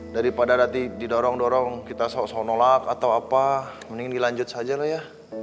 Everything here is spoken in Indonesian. daripada nanti didorong dorong kita sok sok nolak atau apa mending dilanjut saja lah ya